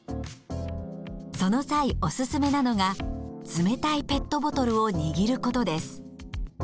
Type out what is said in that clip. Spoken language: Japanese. その際おすすめなのが冷たいペットボトルを握ることです。